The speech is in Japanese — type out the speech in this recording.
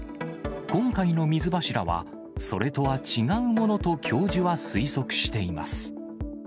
今回の水柱は、それとは違うものと教授は推測しています。